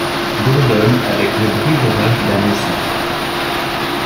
Bourdonne avec le bruit d'orage d'un essaim